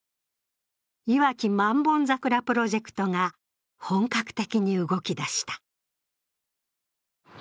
いわき万本桜プロジェクトが本格的に動き出した。